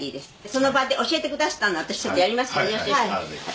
その場で教えてくだすったのを私ちょっとやりますけどよろしいですか？